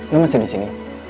lo masih disini